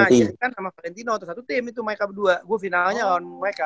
nah kan sama valentino atau satu tim itu mereka berdua gue finalnya lawan mereka